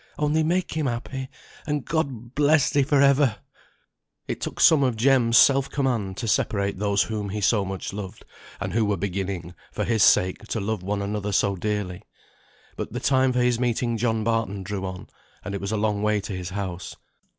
Only make him happy, and God bless thee for ever!" It took some of Jem's self command to separate those whom he so much loved, and who were beginning, for his sake, to love one another so dearly. But the time for his meeting John Barton drew on: and it was a long way to his house.